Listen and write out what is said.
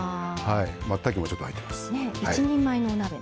まつたけもちょっと入っています。